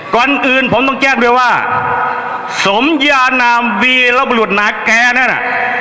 ก่อนอื่นผมต้องแจ้งด้วยว่าสมยานามวีรบรุษนาแก่นั่นน่ะ